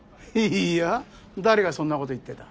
いや誰がそんなこと言ってた？